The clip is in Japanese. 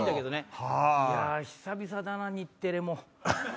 いや久々だな日テレも。